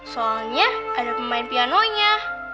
soalnya ada pemain pianonya